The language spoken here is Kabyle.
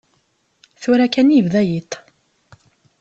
Tura kan i yebda yiḍ.